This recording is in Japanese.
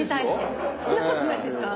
そんなことないですか？